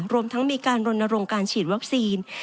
รวมทั้งมีการรณรงค์การฉีดวัคซีน